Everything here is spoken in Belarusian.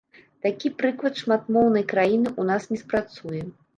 Такі прыклад шматмоўнай краіны ў нас не спрацуе.